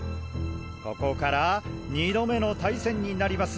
ここから２度目の対戦になります